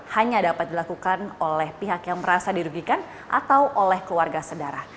hanya dapat dilakukan oleh pihak yang merasa dirugikan atau oleh keluarga sedara